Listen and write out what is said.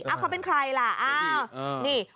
เอาเขาเป็นใครล่ะอ้าวนี่